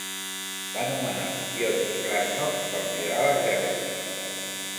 Va nomenar Pyotr Krasnov per liderar l'exèrcit.